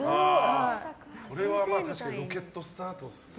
これは確かにロケットスタートですね。